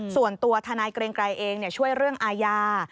ส่วนตัวทนายเกรงไกรเองช่วยเรื่องอาญา